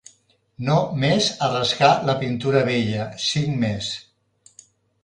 No més a rascar la pintura vella, cinc més